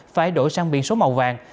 phải đổi sang biển số màu vàng